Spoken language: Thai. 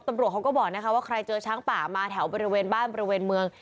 ตำรวจเขาก็บอกนะคะว่าใครเจอช้างป่ามาแถวบริเวณบ้านบริเวณเมือง